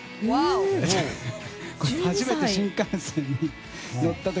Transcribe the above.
初めて新幹線に乗った時。